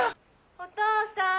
「お父さん」。